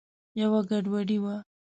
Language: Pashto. یوه ګډوډي وه.